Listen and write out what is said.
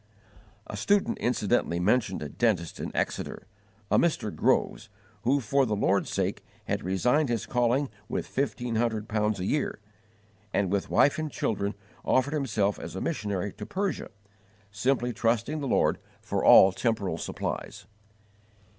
A student incidentally mentioned a dentist in Exeter a Mr. Groves who for the Lord's sake had resigned his calling with fifteen hundred pounds a year, and with wife and children offered himself as a missionary to Persia, _simply trusting the Lord for all temporal supplies.